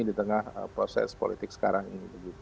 di tengah proses politik sekarang ini